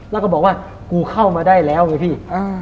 แล้วก็บอกว่ากูเข้ามาได้แล้วไงพี่